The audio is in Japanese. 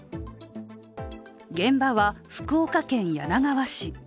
現場は福岡県柳川市。